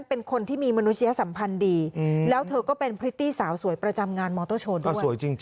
เป็นคนที่มีมนุษยสัมพันธ์ดีแล้วเธอก็เป็นพริตตี้สาวสวยประจำงานมอเตอร์โชว์ด้วย